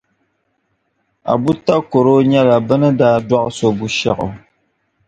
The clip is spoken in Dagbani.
Abu Takoro nyɛla bɛ ni daa dɔɣi so Gushɛɣu.